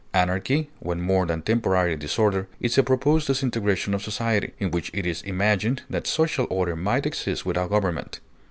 Anarchy, when more than temporary disorder, is a proposed disintegration of society, in which it is imagined that social order might exist without government.